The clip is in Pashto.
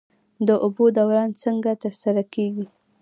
د اوبو دوران څنګه ترسره کیږي؟